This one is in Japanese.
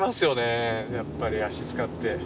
やっぱり足使って。